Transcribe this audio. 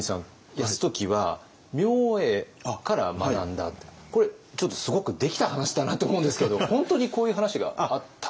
泰時は明恵から学んだってこれちょっとすごくできた話だなと思うんですけど本当にこういう話があった？